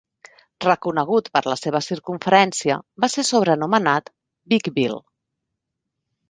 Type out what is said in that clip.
Reconegut per la seva circumferència, va ser sobrenomenat "Big Bill".